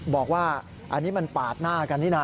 บอกว่าอันนี้มันปาดหน้ากันนี่นะ